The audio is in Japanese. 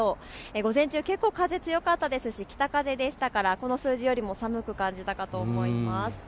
午前中、結構風強かったですし北風でしたからこの数字よりも寒く感じたかと思います。